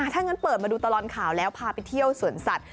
ถ้างั้นเปิดมาดูตลอดข่าวแล้วพาไปเที่ยวสวนสัตว